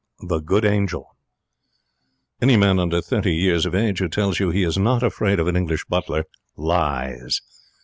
THE GOOD ANGEL Any man under thirty years of age who tells you he is not afraid of an English butler lies.